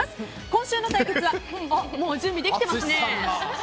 今週の対決はもう準備できてますね。